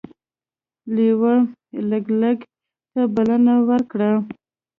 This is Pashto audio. لیوه لګلګ ته بلنه ورکړه.